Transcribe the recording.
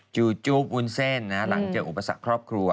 จู๊บวุ้นเส้นหลังเจออุปสรรคครอบครัว